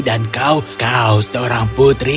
dan kau kau seorang putri